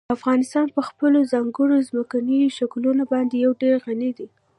افغانستان په خپلو ځانګړو ځمکنیو شکلونو باندې یو ډېر غني دی.